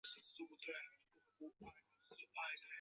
随后他召开新闻发布会表示道歉。